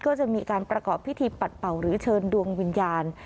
ก็จะมีการประกอบพิธีปัดเป่าหรือเชิญดวงวิญญาณ